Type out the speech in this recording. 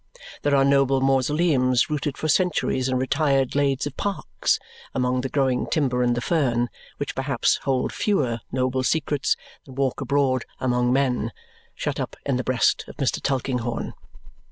There are noble mausoleums rooted for centuries in retired glades of parks among the growing timber and the fern, which perhaps hold fewer noble secrets than walk abroad among men, shut up in the breast of Mr. Tulkinghorn.